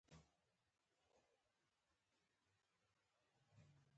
افغانستان له بادي انرژي ډک دی.